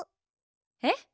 えっ？